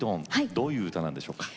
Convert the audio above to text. どういう歌なんでしょうか？